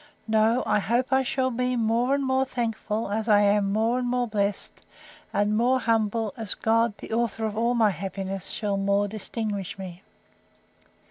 No, I hope I shall be, more and more thankful, as I am more and more blest! and more humble, as God, the author of all my happiness, shall more distinguish me.